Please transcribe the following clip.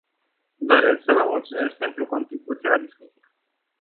Doresc să vă mulțumesc pentru contribuția la discuție.